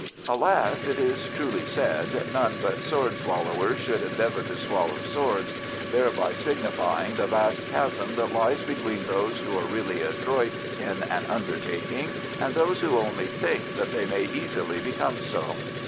Alas, it is truly said, "None but sword swallowers should endeavour to swallow swords," thereby signifying the vast chasm that lies between those who are really adroit in an undertaking and those who only think that they may easily become so.